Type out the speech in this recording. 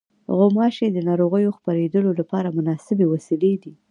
غوماشې د ناروغیو خپرېدلو لپاره مناسبې وسیلې دي.